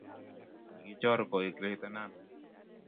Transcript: Kikichoor koek litenan